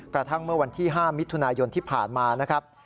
กระทั่งเมื่อวันที่๕มิถุนายนที่ผ่านมานะครับ